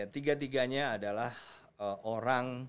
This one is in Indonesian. tiga tiganya adalah orang